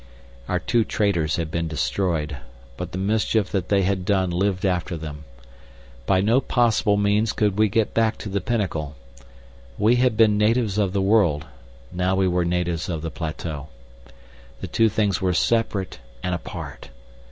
Our two traitors had been destroyed, but the mischief that they had done lived after them. By no possible means could we get back to the pinnacle. We had been natives of the world; now we were natives of the plateau. The two things were separate and apart.